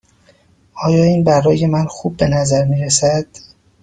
آیا این برای من خوب به نظر می رسد؟